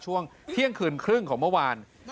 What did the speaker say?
ช่วงเที่ยงคืนครึ่งของเมื่อวาน